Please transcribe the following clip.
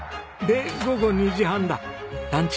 で午後２時半だ。